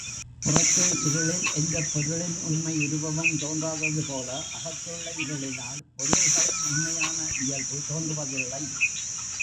புறத்தே இருளில் எந்தப் பொருளின் உண்மை உருவமும் தோன்றாததுபோல, அகத்துள்ள இருளினால் பொருள்களின் உண்மையான இயல்பு தோன்றுவதில்லை.